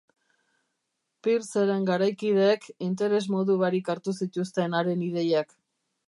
Peirceren garaikideek interes modu barik hartu zituzten haren ideiak.